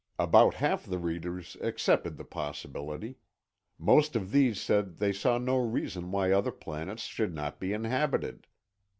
About half the readers accepted the possibility; most of these said they saw no reason why other planets should not be inhabited.